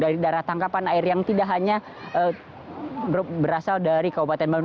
dari darah tangkapan air yang tidak hanya berasal dari kabupaten bandung